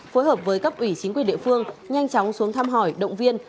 phối hợp với cấp ủy chính quyền địa phương nhanh chóng xuống thăm hỏi động viên